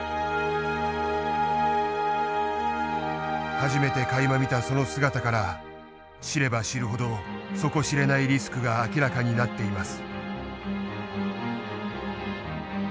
初めてかいま見たその姿から知れば知るほど底知れないリスクが明らかになっています。